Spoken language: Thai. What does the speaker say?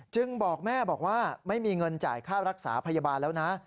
บอกแม่บอกว่าไม่มีเงินจ่ายค่ารักษาพยาบาลแล้วนะ